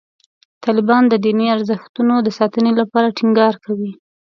طالبان د دیني ارزښتونو د ساتنې لپاره ټینګار کوي.